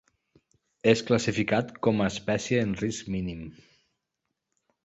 És classificat com a espècie en risc mínim.